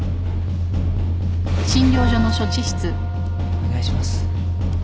お願いします。